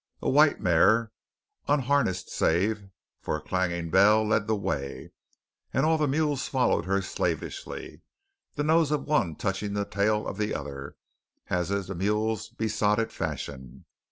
A white mare, unharnessed save for a clanging bell, led the way; and all the mules followed her slavishly, the nose of one touching the tail of the other, as is the mule's besotted fashion.